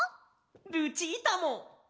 ルチータも！